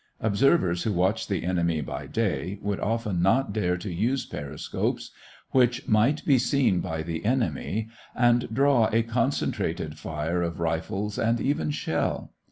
Observers who watched the enemy by day would often not dare to use periscopes, which might be seen by the enemy and draw a concentrated fire of rifles and even shell.